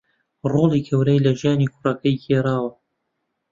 رۆڵی گەورەی لە ژیانی کوڕەکەی گێڕاوە